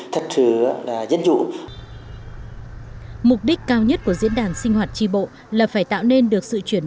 thật sự dân chủ mục đích cao nhất của diễn đàn sinh hoạt tri bộ là phải tạo nên được sự chuyển